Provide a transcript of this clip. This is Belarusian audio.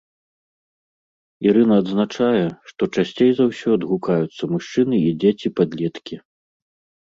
Ірына адзначае, што часцей за ўсё адгукаюцца мужчыны і дзеці-падлеткі.